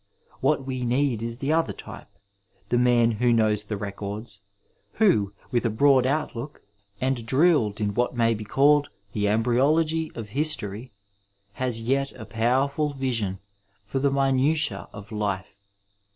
What we need is the other type, the man who knows the records, who, with a broad outlook and drilled in what may be called the embryo logy of history, has yet a powerful vision for the minutiae of life.